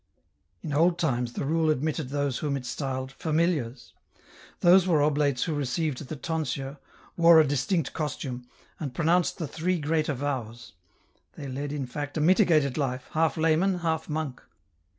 " In old times the rule admitted those whom it styled ' familiars.' " Those were oblates who received the tonsure, wore a distinct costume, and pronounced the three greater vows ; they led in fact a mitigated life, half layman, half monk.